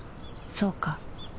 そうか